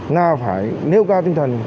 nào phải nêu cao tinh thần